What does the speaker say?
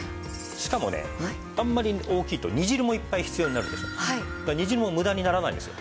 しかもねあんまり大きいと煮汁もいっぱい必要になるでしょ煮汁も無駄にならないんですよ。